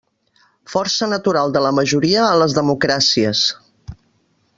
Força natural de la majoria en les democràcies.